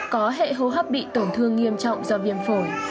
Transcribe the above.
có hệ hô hấp bị tổn thương nghiêm trọng do viêm phổi